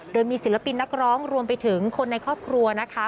โดยมีศิลปินนักร้องรวมไปถึงคนในครอบครัวนะคะ